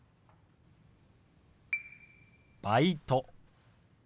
「バイト」。